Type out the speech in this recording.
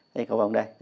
đây cỏ vồng đây